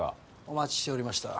お待ちしておりました。